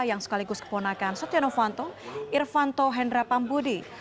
yang sekaligus keponakan setiano fanto irfanto hendra pambudi